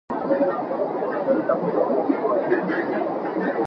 دلته خو په کرایي کور کې اوسیږي.